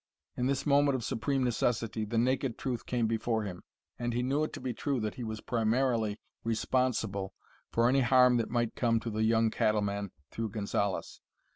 In this moment of supreme necessity the naked truth came before him; and he knew it to be true that he was primarily responsible for any harm that might come to the young cattleman through Gonzalez.